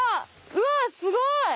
うわっすごい！